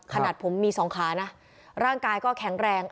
ขนาดผมมีสองขานะร่างกายก็แข็งแรง